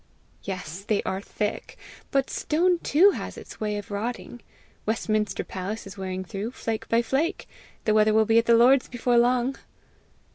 "Yes, they are thick! But stone too has its way of rotting. Westminster palace is wearing through, flake by flake. The weather will be at the lords before long."